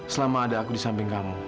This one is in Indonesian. selama ada aku disamping kamu